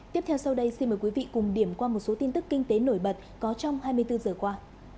tiếp theo sau đây xin mời quý vị cùng điểm qua một số tin tức kinh tế nổi bật có trong hai mươi bốn giờ qua